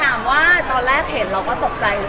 ถามว่าตอนแรกเห็นเราก็ตกใจ